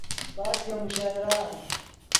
بعد ژے مشاعرآن